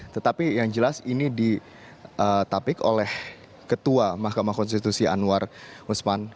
tetapi yang jelas ini ditapik oleh ketua mahkamah konstitusi anwar usman